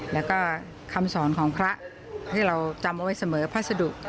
และก็คำสอนของพระที่เราจำไว้เสมอภาษดุ